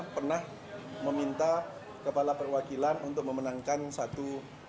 pernah meminta kepala perwakilan untuk memenangkan satu